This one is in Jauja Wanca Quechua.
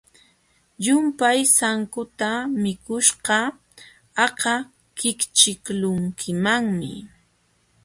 Llumpay sankuta mikuśhqa aka kićhkiqlunkimanmi.